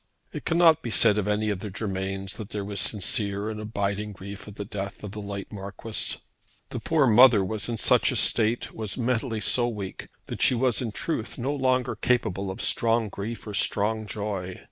It cannot be said of any of the Germains that there was sincere and abiding grief at the death of the late Marquis. The poor mother was in such a state, was mentally so weak, that she was in truth no longer capable of strong grief or strong joy.